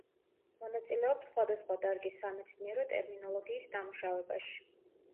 მონაწილეობს სხვადასხვა დარგის სამეცნიერო ტერმინოლოგიის დამუშავებაში.